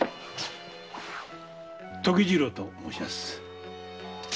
時次郎と申します。